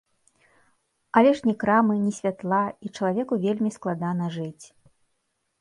Але ж ні крамы, ні святла, і чалавеку вельмі складана жыць.